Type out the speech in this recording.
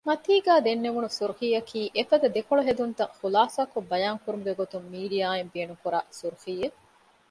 މަތީގައި ދެންނެވުނު ސުރުޚީއަކީ އެފަދަ ދެކޮޅުހެދުންތައް ޚުލާޞާކޮށް ބަޔާން ކުރުމުގެ ގޮތުން މީޑިއާއިން ބޭނުންކުރާ ސުރުޚީއެއް